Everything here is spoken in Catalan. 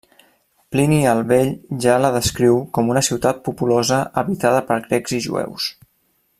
Plini el Vell ja la descriu com una ciutat populosa habitada per grecs i jueus.